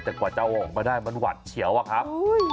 แต่กว่าจะเอาออกมาได้มันหวัดเฉียวอะครับ